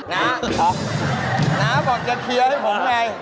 น้าน้าบอกจะเคลียร์ให้ผมไง